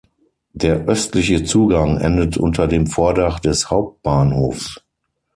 Der östliche Zugang endet unter dem Vordach des Hauptbahnhofs.